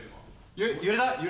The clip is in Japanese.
揺れた？